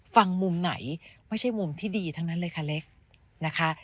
ฟังมุมไหนไม่ใช่มุมที่ดีทั้งนั้นเลยค่ะเล็กนะคะ